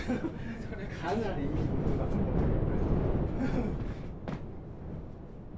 かなりいいルートだと思うんだけど。